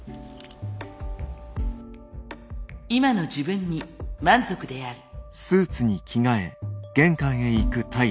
今の自分に満足である。